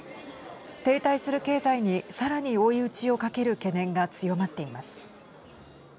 停滞する経済にさらに追い打ちをかける懸念が強まっています。